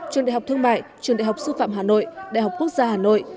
trường đại học thương mại trường đại học sư phạm hà nội đại học quốc gia hà nội